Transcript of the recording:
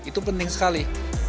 itu penting sekali